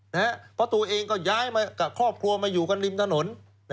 เพราะตัวเองก็ย้ายมากับครอบครัวมาอยู่กันริมถนน